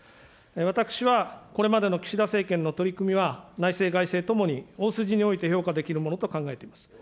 私はこれまでの岸田政権の取り組みは、内政、外政ともに大筋において評価できるものと考えています。